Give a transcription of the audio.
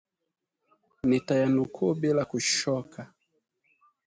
Nitayanukuu bila kushoka